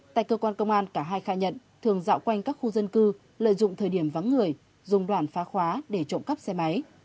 tại cơ quan công an cả hai khai nhận thường dạo quanh các khu dân cư lợi dụng thời điểm vắng người dùng đoạn phá khóa để trộm cắp xe máy